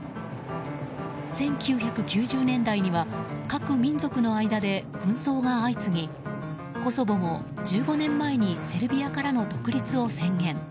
１９９０年代には各民族の間で紛争が相次ぎコソボも１５年前にセルビアからの独立を宣言。